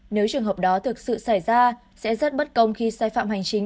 nếu trường hợp đó thực sự xảy ra sẽ rất bất công khi sai phạm hành chính